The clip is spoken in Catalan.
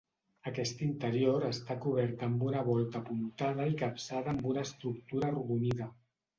Aquest interior està cobert amb una volta apuntada i capçada amb una estructura arrodonida.